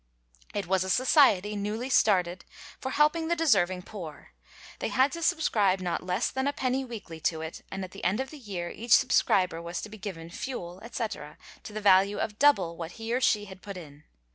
It was a society, newly started, for helping the deserving poor; they had to subscribe not less than a penny weekly to it, and at the end of the year each subscriber was to be given fuel, etc., to the value of double what he or she had put in.